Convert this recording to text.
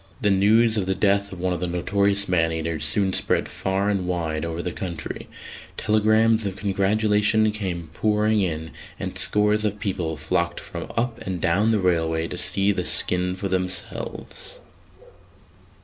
The news of the death of one of the notorious man eaters soon spread far and wide over the country: telegrams of congratulation came pouring in, and scores of people flocked from up and down the railway to see the skin for themselves.